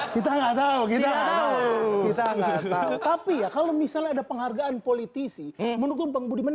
kita nggak tahu kita tahu tapi ya kalau misalnya ada penghargaan politisi mendukung bang budiman